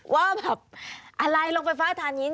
ว่าอะไรลงกาบไฟฝ่านิน